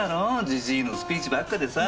じじいのスピーチばっかでさ。